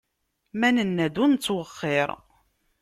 Ma nenna-d, ur nettwexxiṛ.